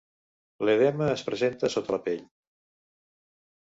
L'edema es presenta sota la pell.